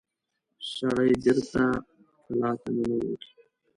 سړی بېرته کلا ته ننوت.